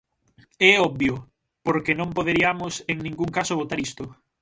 É obvio, porque non poderiamos en ningún caso votar isto.